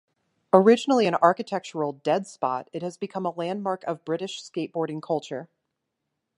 Originally an architectural dead-spot, it has become a landmark of British skateboarding culture.